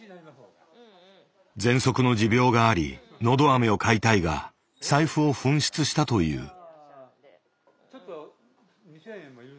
ぜんそくの持病がありのどあめを買いたいが財布を紛失したという。